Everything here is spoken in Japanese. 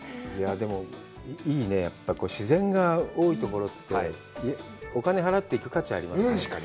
でも、いいね、やっぱり自然が多いところってお金払って行く価値ありますね。